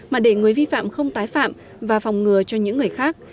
mà để người vi phạm không tái phạm và phòng ngừa cho những người khác